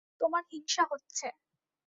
তোমার হিংসা হচ্ছে।